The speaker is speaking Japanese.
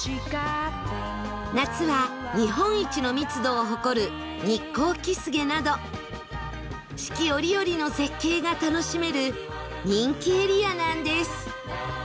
夏は日本一の密度を誇るニッコウキスゲなど四季折々の絶景が楽しめる人気エリアなんです